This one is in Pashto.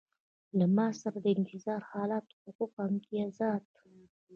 له معاش سره د انتظار حالت حقوق او امتیازات.